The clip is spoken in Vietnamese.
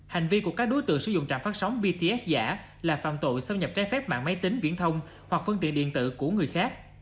hành vi của các đối tượng sử dụng trạm phát sóng bts giả là phạm tội xâm nhập trái phép mạng máy tính viễn thông hoặc phương tiện điện tử của người khác